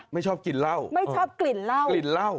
ชอบกินเหล้าไม่ชอบกลิ่นเหล้ากลิ่นเหล้า